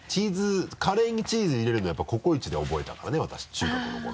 カレーにチーズ入れるのはやっぱり「ココイチ」で覚えたからね私中学の頃。